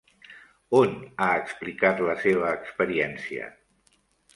On ha explicat la seva experiència?